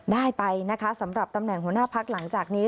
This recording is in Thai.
ได้ไปนะคะสำหรับตำแหน่งหัวหน้าพักหลังจากนี้